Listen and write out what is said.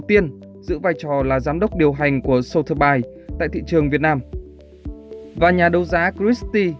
tiên giữ vai trò là giám đốc điều hành của sol zubai tại thị trường việt nam và nhà đấu giá christy